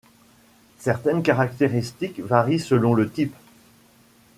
Certaines caractéristiques varient selon le type.